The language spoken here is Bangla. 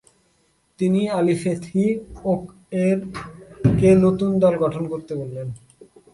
তিনি আলি ফেতহি ওকয়েরকে নতুন দল গঠন করতে বলেন।